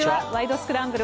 スクランブル」